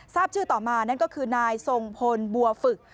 ทราบชื่อต่อมานั่นก็คือนายทรงพลบัวฝึก